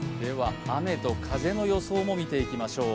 雨と風の予想も見ていきましょう。